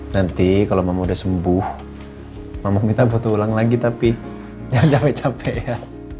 nanti kalau mama udah sembuh mama kita butuh ulang lagi tapi jangan capek capek ya